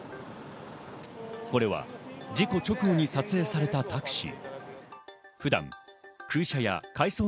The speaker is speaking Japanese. これは事故直後に撮影されたタクシー。